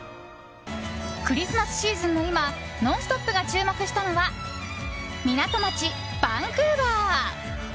クリスマスシーズンの今「ノンストップ！」が注目したのは港町、バンクーバー。